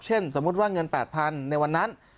เช่นสมมุติว่าเงิน๘๐๐๐บาทในวันนั้น